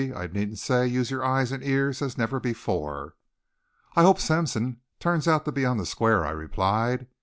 I needn't say use your eyes and ears as never before." "I hope Sampson turns out to be on the square," I replied.